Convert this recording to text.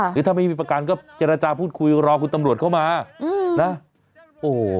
หรือถ้าไม่มีประกันก็เจรจาพูดคุยรอคุณตำรวจเข้ามานะโอ้โห